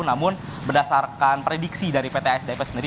namun berdasarkan prediksi dari pt fdip sendiri